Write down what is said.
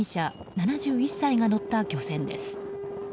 ７１歳が乗った漁船です。